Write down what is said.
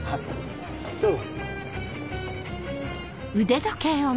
どうぞ。